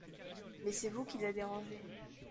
Mais c’est vous qu’il a dérangé.